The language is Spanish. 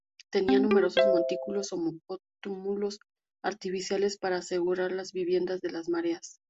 Tenía numerosos montículos o túmulos artificiales para asegurar las viviendas de las mareas.